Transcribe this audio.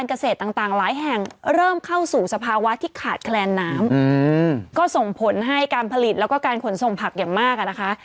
ราคาสูงผลิตแล้วก็การขนส่งผักอย่างมาก